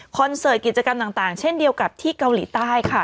เสิร์ตกิจกรรมต่างเช่นเดียวกับที่เกาหลีใต้ค่ะ